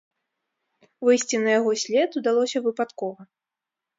Выйсці на яго след удалося выпадкова.